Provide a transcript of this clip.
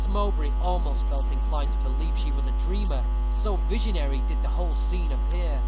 Mowbray almost felt inclined to believe she was a dreamer, so visionary did the whole scene appear.